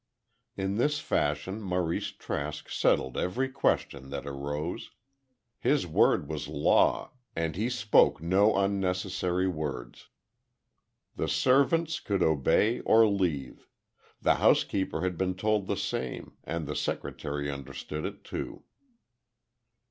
In this fashion Maurice Trask settled every question that arose. His word was law, and he spoke no unnecessary words. The servants could obey or leave. The housekeeper had been told the same, and the secretary understood it, too.